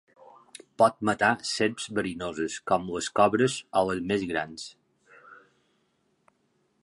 Pot matar serps verinoses, com les cobres, o les més grans.